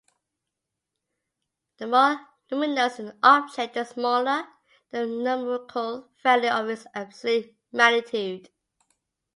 The more luminous an object, the smaller the numerical value of its absolute magnitude.